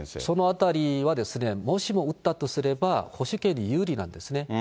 そのあたりは、もしも撃ったとすれば、保守系に有利なんですね。